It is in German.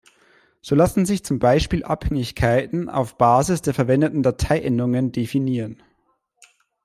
So lassen sich zum Beispiel Abhängigkeiten auf Basis der verwendeten Dateiendungen definieren.